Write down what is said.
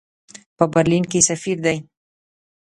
په برلین کې سفیر دی.